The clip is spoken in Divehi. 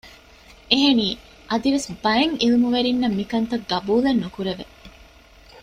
އެހެނީ އަދިވެސް ބައެއް ޢިލްމުވެރިންނަށް މިކަންކަން ޤަބޫލެއް ނުކުރެވެ